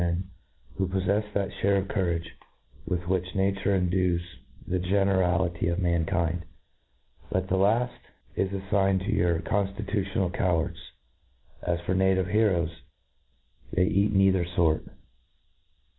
men who poflefs that fliare of courage with which nature endues the generality of mankind j but the laft INTRODUCTI ON. 91 laft is affigned to your conftitutional cowards— As for native heroes, they eat neither fort.